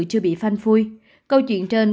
chưa bị phanh phui câu chuyện trên